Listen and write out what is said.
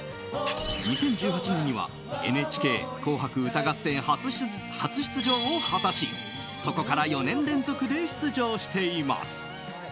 ２０１８年には「ＮＨＫ紅白歌合戦」初出場を果たしそこから４年連続で出場しています。